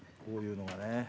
こういうのがね。